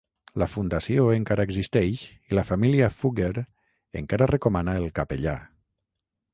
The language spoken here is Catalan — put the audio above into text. La fundació encara existeix i la família Fugger encara recomana el capellà.